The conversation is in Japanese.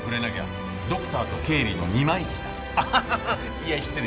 いや失礼。